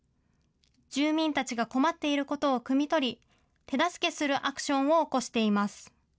住民たちが困っていることをくみ取り、手助けするアクションを起こしています。